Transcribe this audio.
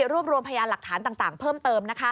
รวบรวมพยานหลักฐานต่างเพิ่มเติม